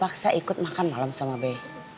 takut dipaksa ikut makan malem sama be